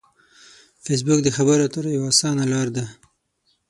فېسبوک د خبرو اترو یوه اسانه لار ده